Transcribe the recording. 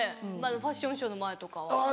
ファッションショーの前とかは。